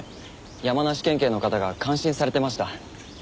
山梨県警の方が感心されてました。